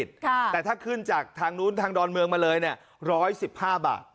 แต่ถ้าขึ้นจากทางนู้นทางดอนเมืองมาเลยเนี่ย๑๑๕บาท